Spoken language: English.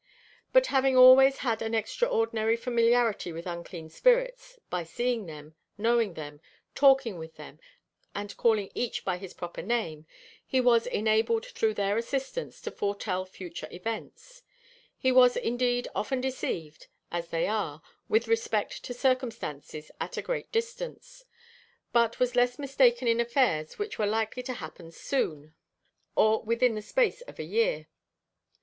But having always had an extraordinary familiarity with unclean spirits, by seeing them, knowing them, talking with them, and calling each by his proper name, he was enabled through their assistance to foretell future events; he was indeed often deceived (as they are) with respect to circumstances at a great distance; but was less mistaken in affairs which were likely to happen soon, or within the space of a year.